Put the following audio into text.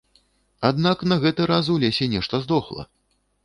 Аднак на гэты раз у лесе нешта здохла.